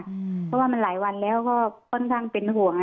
เพราะว่ามันหลายวันแล้วก็ค่อนข้างเป็นห่วง